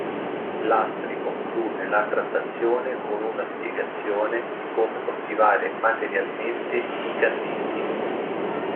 Lastri conclude la trattazione con una spiegazione di come coltivare materialmente i canneti.